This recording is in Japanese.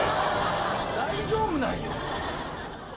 大丈夫なんよ。